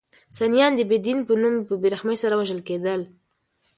سنیان د بې دین په نوم په بې رحمۍ سره وژل کېدل.